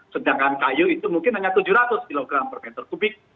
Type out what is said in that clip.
sedangkan kayu itu mungkin hanya tujuh ratus kg per meter kubik